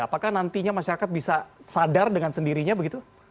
apakah nantinya masyarakat bisa sadar dengan sendirinya begitu